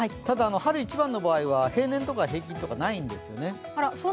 ただ、春一番の場合は平年とか平均とかがないんですよね。